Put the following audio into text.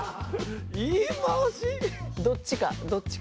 どっちかどっちかで。